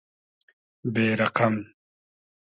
بې رئقئم